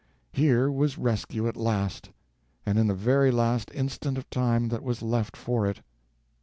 Here was rescue at last, and in the very last instant of time that was left for it.